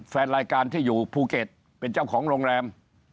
แฟนรายการที่อยู่ภูเก็ตเป็นเจ้าของโรงแรม